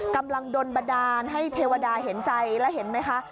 กำลังโดนบันดาลให้เทวดาเห็นใจแล้วเห็นไหมคะ